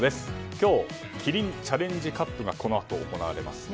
今日、キリンチャレンジカップがこのあと行われますね。